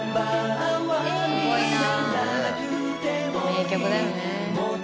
名曲だよね。